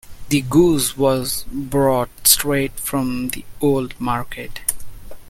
The goose was brought straight from the old market.